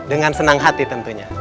dengan senang hati tentunya